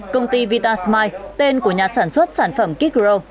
công ty vitasmile tên của nhà sản xuất sản phẩm kikro